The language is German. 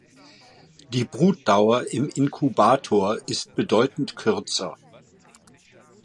Die Brutdauer im Inkubator ist bedeutend kürzer.